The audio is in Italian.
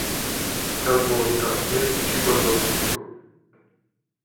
Talvolta è ciguatossico.